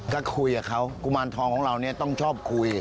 ก็คุยกับเขากุมารทองของเราเนี่ยต้องชอบคุย